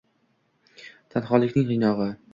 Tanholikning qiynog’i.